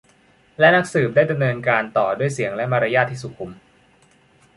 และนักสืบได้ดำเนินการต่อด้วยเสียงและมารยาทที่สุขุม